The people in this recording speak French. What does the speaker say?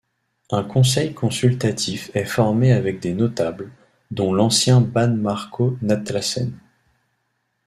Un conseil consultatif est formé avec des notables, dont l'ancien ban Marko Natlačen.